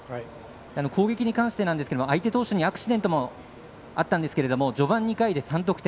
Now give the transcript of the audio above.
攻撃に関してなんですけれども相手投手にアクシデントもあったんですけど序盤２回で３得点。